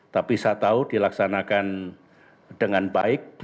tapi saya tahu dilaksanakan dengan baik